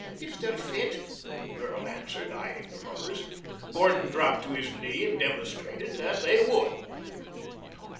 "If they'll fit," the girl answered, eyeing the rubbers. Gordon dropped to his knee and demonstrated that they would.